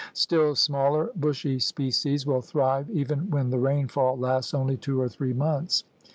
Still smaller, bushy species will thrive even when the rainfall lasts only two or three months.